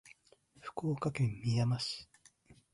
福岡県みやま市